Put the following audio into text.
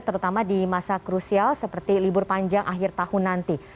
terutama di masa krusial seperti libur panjang akhir tahun nanti